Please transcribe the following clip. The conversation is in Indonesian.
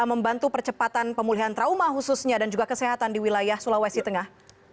membantu percepatan pemulihan trauma khususnya dan juga kesehatan di wilayah sulawesi tengah